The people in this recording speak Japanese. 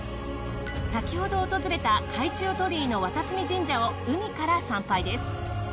先ほど訪れた海中鳥居の和多都美神社を海から参拝です。